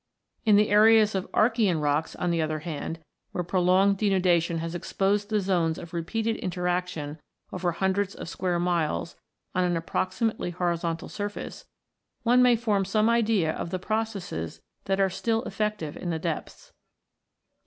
In the areas of Archaean rocks, on the other hand, where prolonged denudation has exposed the zones of repeated interaction over hundreds of square miles on an approximately hori zontal surface, one may form some idea of the processes that are still effective in the depths.